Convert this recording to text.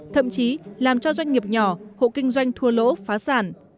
thậm chí làm cho doanh nghiệp nhỏ hộ kinh doanh thua lỗ phá sản